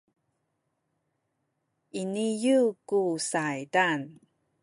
iniyu ku saydan